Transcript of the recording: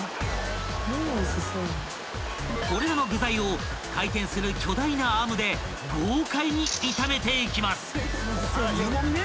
［これらの具材を回転する巨大なアームで豪快に炒めていきます］